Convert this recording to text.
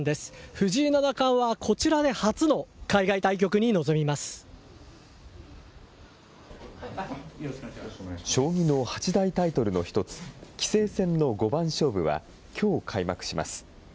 藤井七冠はこちらで初の海外対局将棋の八大タイトルの一つ、棋聖戦の五番勝負はきょう開幕します。